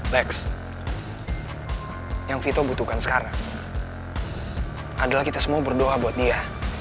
next yang vito butuhkan sekarang adalah kita semua berdoa buat dia